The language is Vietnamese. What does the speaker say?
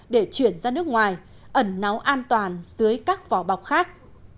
để chuyển ra nước ngoài ẩn náu an toàn dưới các vỏ bọc khác